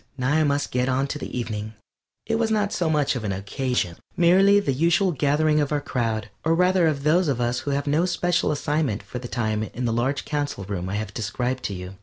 Now I must get on to the evening. It was not much of an occasion, merely the usual gathering of our crowd, or rather of those of us who have no special assignment for the time in the large Council Room I have described to you.